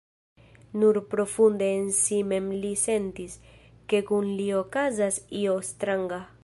Nur profunde en si mem li sentis, ke kun li okazas io stranga.